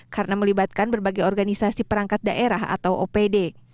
karena melibatkan berbagai organisasi perangkat daerah atau opd